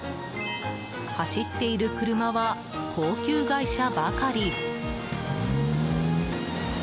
走っている車は高級外車ばかり。